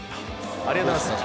ありがとうございます